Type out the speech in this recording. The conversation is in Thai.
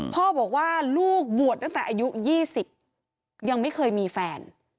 พ่อบอกว่าลูกบวชตั้งแต่อายุ๒๐ยังไม่เคยมีแฟน